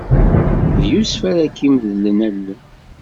D Yusef ara k-imedlen allen.